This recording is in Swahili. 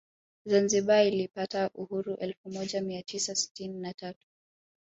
Zanzibar ilipata uhuru elfu moja Mia tisa na sitini na tatu